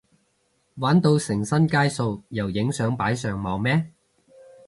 玩到成身街數又影相擺上網咩？